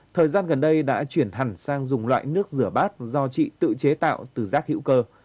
thời gian gần đây đã chuyển hẳn sang dùng loại nước rửa bát do chị tự chế tạo từ rác hữu cơ